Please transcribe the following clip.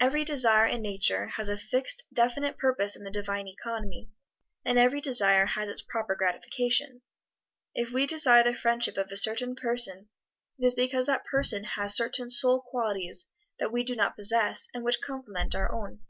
Every desire in Nature has a fixed, definite purpose in the Divine Economy, and every desire has its proper gratification. If we desire the friendship of a certain person, it is because that person has certain soul qualities that we do not possess, and which complement our own.